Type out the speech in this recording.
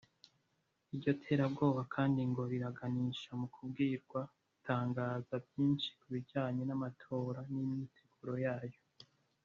Iryo terabwoba kandi ngo rinaganisha mu kubwirwa gutangaza byinshi ku bijyanye n’amatora n’imyiteguro yayo